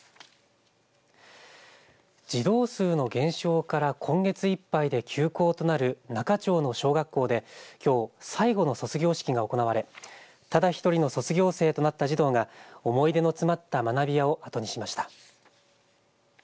児童数の減少から今月いっぱいで休校となる那賀町の小学校できょう最後の卒業式が行われただ１人の卒業生となった児童が思い出の詰まった学びやを後にしました。